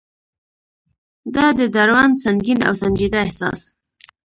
د ده دروند، سنګین او سنجیده احساس.